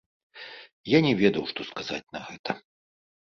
Я не ведаў, што сказаць на гэта.